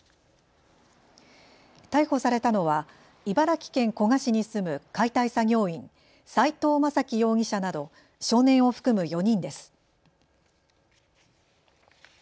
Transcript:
逮捕されたのは茨城県古河市に住む解体作業員、斉藤雅樹容疑者など少年を含む４人です。